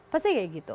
pasti kayak gitu